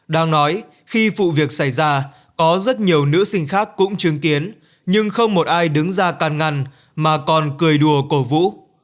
đang nói khi vụ việc xảy ra có rất nhiều nữ sinh khác cũng chứng kiến nhưng không một ai đứng ra can ngăn mà còn cười đùa cổ vũ